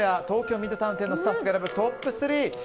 東京ミッドタウン店のスタッフが選ぶトップ３。